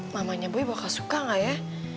mamanya boy bakal suka gak ya